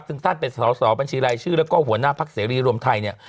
ซึ่งท่านเป็นสอสอบัญชีรายชื่อแล้วก็หัวหน้าพักเสรีรวมไทยเนี่ย